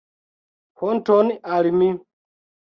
Honton al mi.